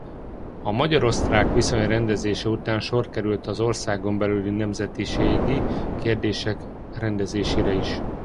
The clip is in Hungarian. A magyar-osztrák viszony rendezése után sor került az országon belüli nemzetiségi kérdések rendezésére is.